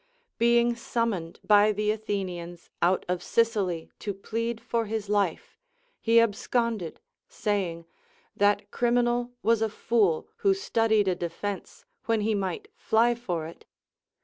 Being summoned by the Athenians out of Sicily to plead for his life, he ab sconded, saying, that criminal was a fool who studied a defence when he might fly for it.